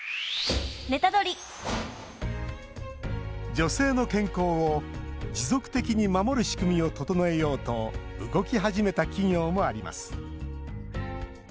女性の健康を持続的に守る仕組みを整えようと動き始めた企業もあります。